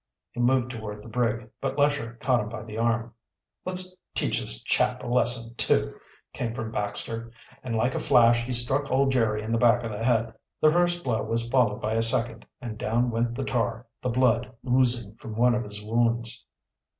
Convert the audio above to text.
He moved toward the brig, but Lesher caught him by the arm. "Let's teach this chap a lesson, too!" came from Baxter, and, like a flash, he struck old Jerry in the back of the head. The first blow was followed by a second, and down went the tar, the blood oozing from one of his wounds.